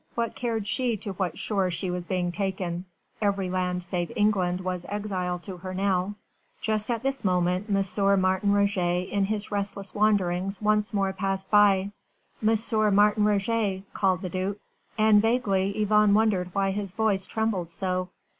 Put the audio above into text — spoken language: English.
What cared she to what shore she was being taken: every land save England was exile to her now. Just at this moment M. Martin Roget in his restless wanderings once more passed by. "M. Martin Roget!" called the duc. And vaguely Yvonne wondered why his voice trembled so.